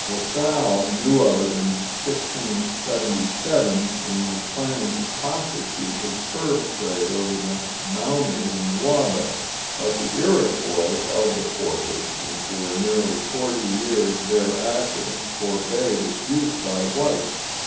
La Salle knew of it in 1677, and was planning to prosecute his fur trade over the Maumee and the Wabash; but the Iroquois held the portage, and for nearly forty years thereafter forbade its use by whites.